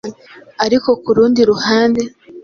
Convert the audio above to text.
Ariko ku rundi ruhande,